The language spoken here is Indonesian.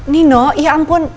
nino ya ampun